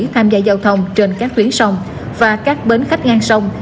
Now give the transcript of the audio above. tham gia giao thông trên các tuyến sông và các bến khách ngang sông